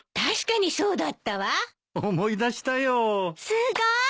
すごーい。